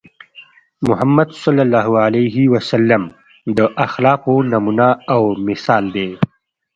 محمد ص د اخلاقو نمونه او مثال دی.